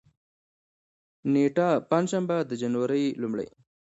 نېټه: پنجشنبه، د جنوري لومړۍ